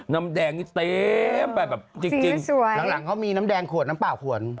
น้ำแดงนี่เต็มไปแบบจริงหลังเขามีน้ำแดงขวดน้ำเปล่าขวน